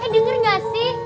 hei dengar gak sih